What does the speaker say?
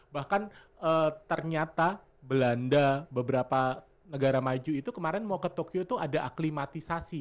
bahkan ternyata belanda beberapa negara maju itu kemarin mau ke tokyo itu ada aklimatisasi